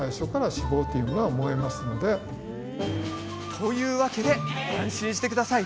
というわけで安心してください。